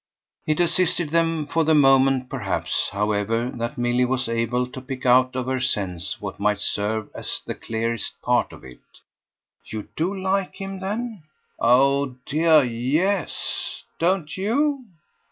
It assisted them for the moment perhaps, however, that Milly was able to pick out of her sense what might serve as the clearest part of it. "You do like him then?" "Oh dear yes. Don't you?"